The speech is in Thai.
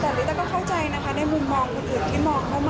แต่ลิต้าก็เข้าใจนะคะในมุมมองคนอื่นที่มองเข้ามา